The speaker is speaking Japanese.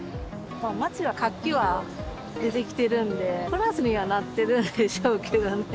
町は活気は出てきてるんで、プラスにはなってるんでしょうけどね。